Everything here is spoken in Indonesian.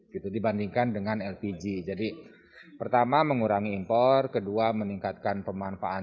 gitu dibandingkan dengan lpg jadi pertama mengurangi impor kedua meningkatkan pemanfaatan